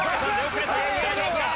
大丈夫か？